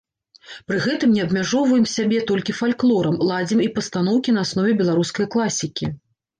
Пры гэтым не абмяжоўваем сябе толькі фальклорам, ладзім і пастаноўкі на аснове беларускай класікі.